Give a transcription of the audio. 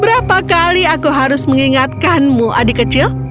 berapa kali aku harus mengingatkanmu adik kecil